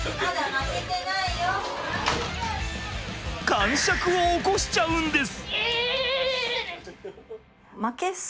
かんしゃくを起こしちゃうんです。